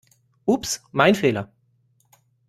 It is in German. Ups, mein Fehler!